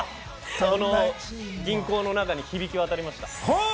銀行の中に響き渡りました。